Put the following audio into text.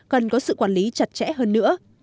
cần có sự quản lý chặt chẽ hơn nữa